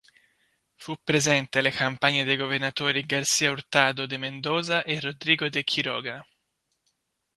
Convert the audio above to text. Fu presente alle campagne dei governatori García Hurtado de Mendoza e Rodrigo de Quiroga.